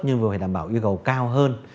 nhưng vừa phải đảm bảo yêu cầu cao hơn